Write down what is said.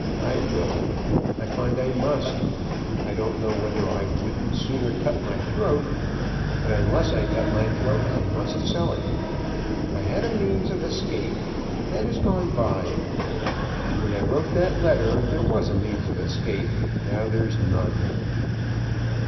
I will. I find I must. I don't know whether I wouldn't sooner cut my throat; but unless I cut my throat I must sell it. I had a means of escape, but that has gone by. When I wrote that letter there was a means of escape. Now there's none."